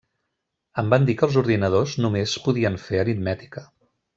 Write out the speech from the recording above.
Em van dir que els ordinadors només podien fer aritmètica.